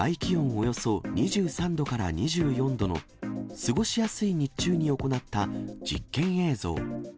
およそ２３度から２４度の過ごしやすい日中に行った実験映像。